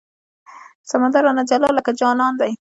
سمندر رانه جلا لکه جانان دی